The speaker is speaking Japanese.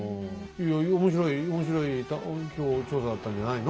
いや面白い面白い今日調査だったんじゃないの？